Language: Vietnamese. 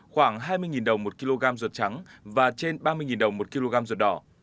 khoảng hai mươi đồng một kg ruột trắng và trên ba mươi đồng một kg ruột đỏ